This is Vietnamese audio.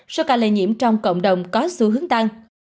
do ca lệ nhiễm trong cộng đồng có xu hướng tăng